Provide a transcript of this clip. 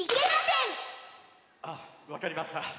あっわかりました。